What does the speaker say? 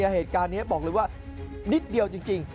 เหตุการณ์นี้บอกเลยว่านิดเดียวจริง